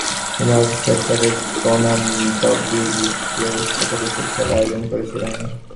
তিনি officer cadets বনাম W. G. Grace একাদশের খেলা আয়োজন করেছিলেন।